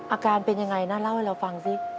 อาการเป็นยังไงนะเล่าให้เราฟังสิ